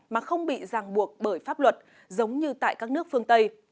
mà không bị ràng buộc bởi pháp luật giống như tại các nước phương tây